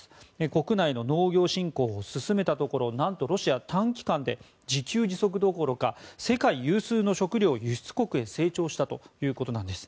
国内の農業振興を進めたところ何とロシアは短期間で自給自足どころか世界有数の食糧輸出国へ成長したということです。